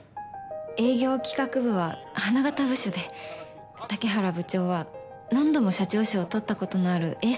営業企画部は花形部署で竹原部長は何度も社長賞を取ったことのあるエースでした。